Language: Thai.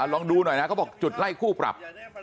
ลองดูหน่อยนะเขาบอกจุดไล่คู่ปรับ